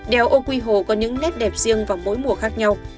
đèo ô quy hồ có những nét đẹp riêng vào mỗi mùa khác nhau